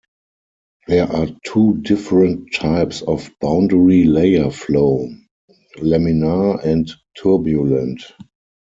There are two different types of boundary layer flow: laminar and turbulent.